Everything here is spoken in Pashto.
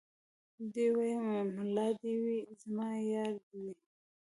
دی وايي ملا دي وي زما يار دي وي